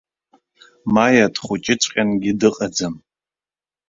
Маиа дхәыҷыҵәҟьангьы дыҟаӡам.